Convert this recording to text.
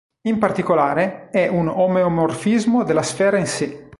In particolare, è un omeomorfismo della sfera in sé.